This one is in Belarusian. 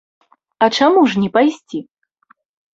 А чаму ж не пайсці?